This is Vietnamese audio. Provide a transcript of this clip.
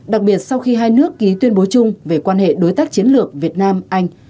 đặc biệt sau khi hai nước ký tuyên bố chung về quan hệ đối tác chiến lược việt nam anh